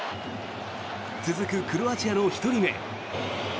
続くクロアチアの１人目。